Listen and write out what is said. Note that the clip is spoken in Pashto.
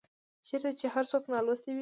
چيرته چي هر څوک نالوستي دي